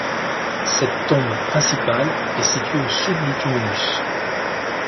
Cette tombe principale est située au sud du tumulus.